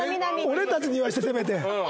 俺たちに言わせてせめて。